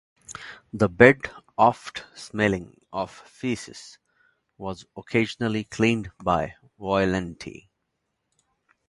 The bed, oft smelling of faeces, was occasionally cleaned by Violante.